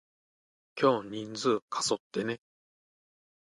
今日人数過疎ってね？